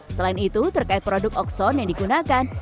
selain itu terkait produk okson yang digunakan